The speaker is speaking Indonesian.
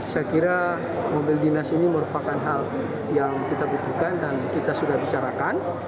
saya kira mobil dinas ini merupakan hal yang kita butuhkan dan kita sudah bicarakan